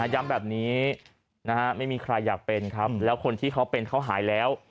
ย้ำแบบนี้ไม่มีใครอยากเป็นครับแล้วคนที่เขาเป็นเขาหายแล้ว